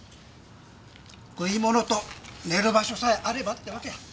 食い物と寝る場所さえあればってわけや。